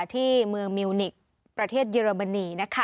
ที่เมืองมิวนิกประเทศเยอรมนี